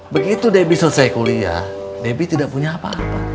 begitu debbie selesai kuliah debbie tidak punya apa apa